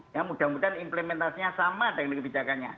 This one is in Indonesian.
ya mudah mudahan implementasinya sama teknik kebijakannya